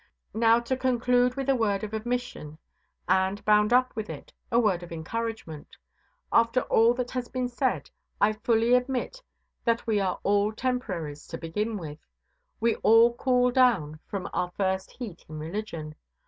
Now, to conclude with a word of admission, and, bound up with it, a word of encouragement. After all that has been said, I fully admit that we are all Temporaries to begin with. We all cool down from our first heat in religion.